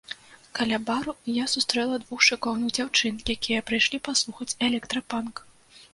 Каля бару я сустрэла двух шыкоўных дзяўчын, якія прыйшлі паслухаць электрапанк.